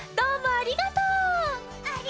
ありがとう！